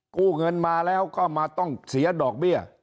กู้เงินมาแล้วก็มาต้องเสียดอกเบี้ย